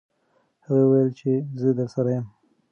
هغې وویل چې زه درسره یم.